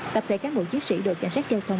tập thể cán bộ chiến sĩ đội cảnh sát giao thông